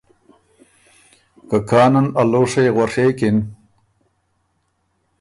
که کانن ا لوشئ غوڒېکِن